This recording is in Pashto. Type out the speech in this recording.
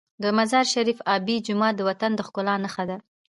د مزار شریف آبي جومات د وطن د ښکلا نښه ده.